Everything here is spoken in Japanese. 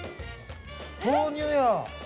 豆乳や。